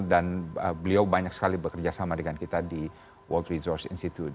dan beliau banyak sekali bekerja sama dengan kita di world resource institute